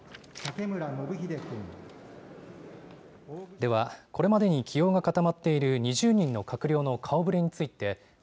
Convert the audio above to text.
では、これまでに起用が固まっている２０人の閣僚の顔ぶれについて、上